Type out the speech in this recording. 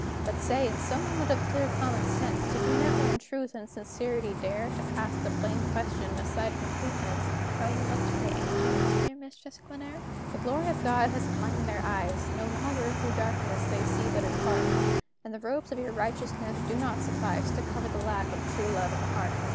But say, in some moment of clear common sense, Did you never in truth and sincerity dare To ask the plain question, aside from pretence, How you looked to the angels, dear Mistress Glenare? The glory of God has enlightened their eyes: No longer, through darkness, they see but in part, And the robes of your righteousness do not suffice To cover the lack of true love in the heart.